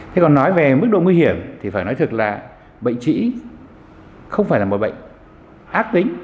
thế còn nói về mức độ nguy hiểm thì phải nói thực là bệnh trĩ không phải là một bệnh ác tính